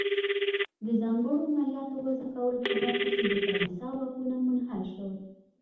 د ځانګړو مالیاتو د وضع کولو په برخه کې د کلیسا واکونه منحل شول.